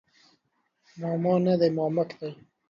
ماما نه دی مامک دی